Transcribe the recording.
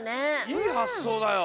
いいはっそうだよ。